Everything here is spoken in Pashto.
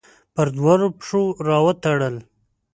پر دواړو پښو راوتړل